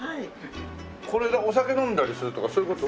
これでお酒飲んだりするとかそういう事？